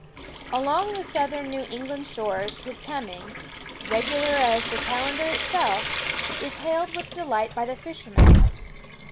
Along the southern New England shores his com ing regular as the calendar itself is hailed with delight by the fishermen.